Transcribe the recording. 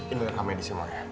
indahkan medisi bu maya